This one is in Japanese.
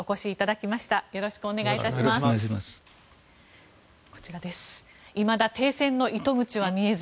いまだ停戦の糸口は見えず。